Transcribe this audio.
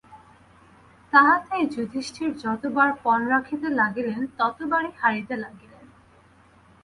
তাহাতেই যুধিষ্ঠির যতবার পণ রাখিতে লাগিলেন ততবারই হারিতে লাগিলেন।